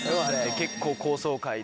結構高層階で。